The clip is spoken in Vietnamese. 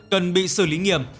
cần bị xử lý nghiệm